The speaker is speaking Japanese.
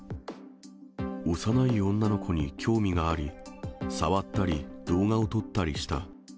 幼い女の子に興味があり、触ったり動画を撮ったりした。